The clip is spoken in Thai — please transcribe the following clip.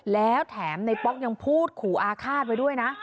แล้วแถมในป๊อกยังพูดขู่อาฆาตไว้ด้วยนะ